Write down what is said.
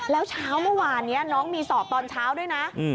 แล้วเช้าเมื่อวานนี้น้องมีสอบตอนเช้าด้วยนะ